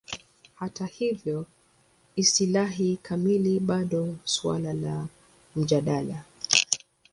Hata hivyo, istilahi kamili bado suala la mjadala.